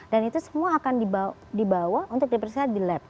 dan itu semua akan dibawa untuk diperiksa di lab